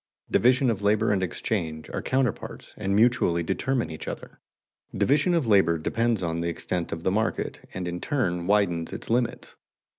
Division of labor and exchange are counterparts and mutually determine each other. Division of labor depends on the extent of the market, and in turn widens its limits.